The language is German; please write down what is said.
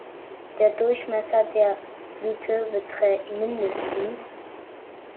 Der Durchmesser der Blüte beträgt mind.